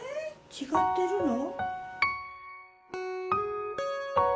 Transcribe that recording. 違ってるの？